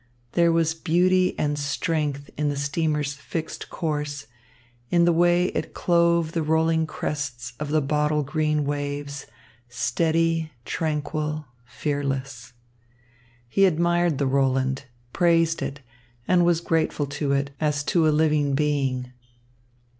There was beauty and strength in the steamer's fixed course, in the way it clove the rolling crests of the bottle green waves, steady, tranquil, fearless. He admired the Roland, praised it, and was grateful to it as to a living being.